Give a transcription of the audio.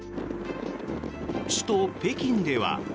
首都・北京では。